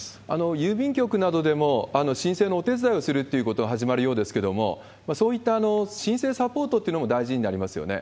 郵便局などでも申請のお手伝いをするということが始まるようですけれども、そういった申請サポートっていうのも大事になりますよ